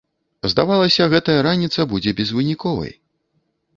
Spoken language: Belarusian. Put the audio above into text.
Здавалася, гэтая раніца будзе безвыніковай.